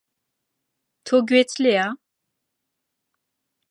تۆ گوێت لێیە؟